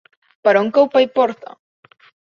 Per on cau Paiporta?